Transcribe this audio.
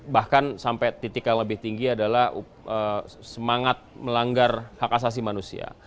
bahkan sampai titik yang lebih tinggi adalah semangat melanggar hak asasi manusia